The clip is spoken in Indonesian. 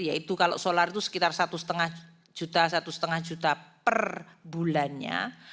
yaitu kalau solar itu sekitar satu lima juta satu lima juta per bulannya